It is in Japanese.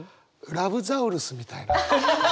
ザウルスみたいな。